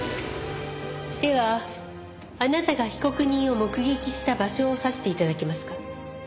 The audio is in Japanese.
ではあなたが被告人を目撃した場所を指して頂けますか？